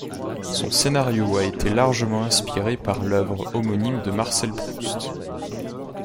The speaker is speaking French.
Son scénario a été largement inspiré par l'œuvre homonyme de Marcel Proust.